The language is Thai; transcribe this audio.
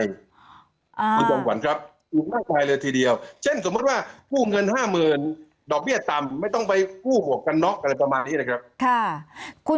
คุณจอมขวัญครับมากมายเลยทีเดียวเช่นสมมุติว่ากู้เงิน๕๐๐๐ดอกเบี้ยต่ำไม่ต้องไปกู้หมวกกันน็อกอะไรประมาณนี้นะครับ